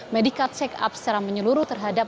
medical check up secara menyeluruh terhadap